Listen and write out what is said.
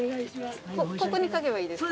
ここに書けばいいですか。